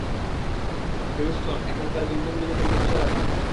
Houston, এখানকার বিল্ডিংগুলো কিন্তু বিশালাকৃতির!